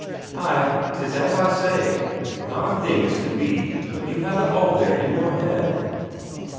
"Ay, 'tis as I say, not a thing as could be but you have it all there in your head."